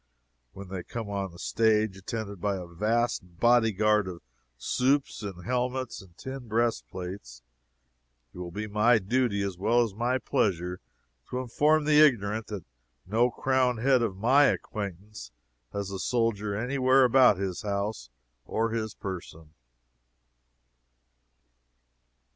And when they come on the stage attended by a vast body guard of supes in helmets and tin breastplates, it will be my duty as well as my pleasure to inform the ignorant that no crowned head of my acquaintance has a soldier any where about his house or his person.